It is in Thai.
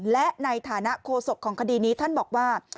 และในฐานะโคศกของคดีนี้ท่านบอกว่า